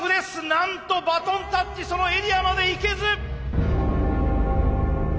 なんとバトンタッチそのエリアまで行けず！